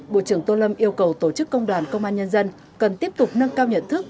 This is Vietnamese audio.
bộ trưởng tô lâm yêu cầu tổ chức công đoàn công an nhân dân cần tiếp tục nâng cao nhận thức